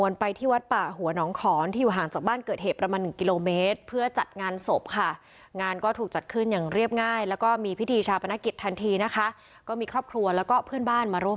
สวัสดีครับ